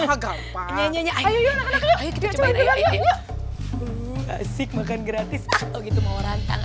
enggak ngapa ngapa asik asik makan gratis gitu mau rantang